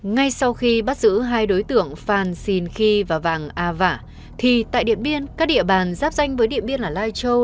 ngay sau khi bắt giữ hai đối tượng phan xìn khi và vàng a vạ thì tại điện biên các địa bàn giáp danh với điện biên ở lai châu